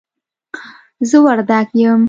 زه وردګ یم